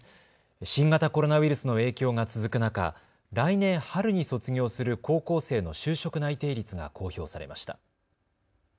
新型コロナウイルスの影響が続く中、来年春に卒業する高校生の就職内定率が公表されました。